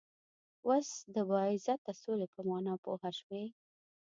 وس د باعزته سولی په معنا پوهه شوئ